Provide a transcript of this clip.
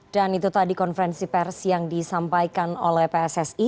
dan itu tadi konferensi pers yang disampaikan oleh pssi